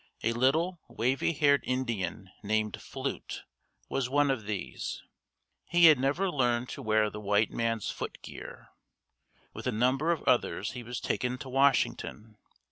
A little, wavy haired Indian named Flute was one of these. He had never learned to wear the white man's foot gear. With a number of others he was taken to Washington.